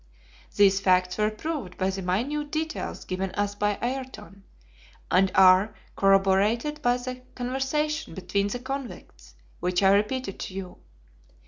These facts were proved by the minute details given us by Ayrton, and are corroborated by the conversation between the convicts, which I repeated to you.